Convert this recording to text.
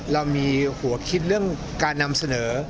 เรามีหัวคิดเรื่องการนำเสนอ